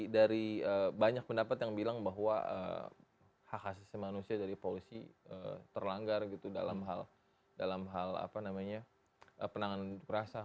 dari banyak pendapat yang bilang bahwa hak asasi manusia dari polisi terlanggar gitu dalam hal apa namanya penanganan perasaan